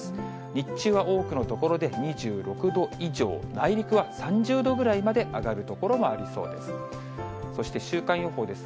日中は多くの所で２６度以上、内陸は３０度ぐらいまで上がる所もありそうです。